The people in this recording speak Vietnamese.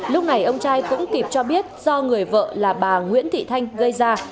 lúc này ông trai cũng kịp cho biết do người vợ là bà nguyễn thị thanh gây ra